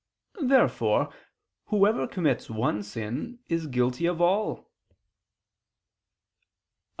Therefore whoever commits one sin is guilty of all. Obj.